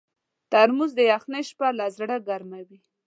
ترموز د یخنۍ شپه له زړه ګرمووي.